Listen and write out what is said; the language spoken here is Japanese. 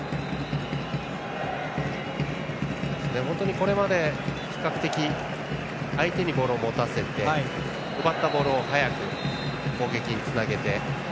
これまで比較的、相手にボールを持たせて奪ったボールを速く攻撃につなげて。